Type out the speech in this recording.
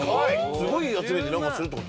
すごい集めて何かするって事？